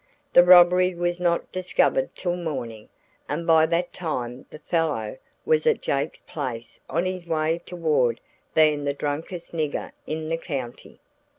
The robbery was not discovered till morning and by that time the fellow was at 'Jake's place' on his way toward being the drunkest nigger in the county.